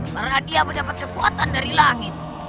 karena dia mendapat kekuatan dari langit